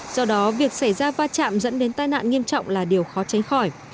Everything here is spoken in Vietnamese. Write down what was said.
do đó việc xảy ra va chạm dẫn đến tai nạn nghiêm trọng là điều khó tránh khỏi